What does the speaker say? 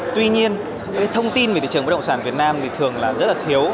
tuy nhiên cái thông tin về thị trường bất động sản việt nam thì thường là rất là thiếu